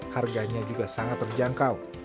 harganya juga sangat berjangkau